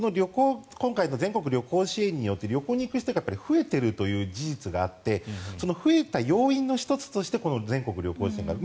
今回の全国旅行支援によって旅行に行く人が増えているという事実があって増えた要因の１つとしてこの全国旅行支援がある。